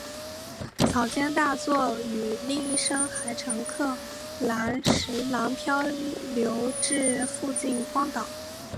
草间大作与另一生还乘客岚十郎漂流至附近荒岛。